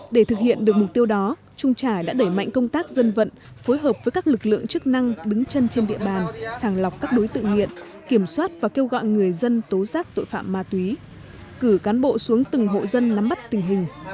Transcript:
để thực hiện được mục tiêu đó trung trà đã đẩy mạnh công tác dân vận phối hợp với các lực lượng chức năng đứng chân trên địa bàn sàng lọc các đối tượng nghiện kiểm soát và kêu gọi người dân tố giác tội phạm ma túy cử cán bộ xuống từng hộ dân nắm bắt tình hình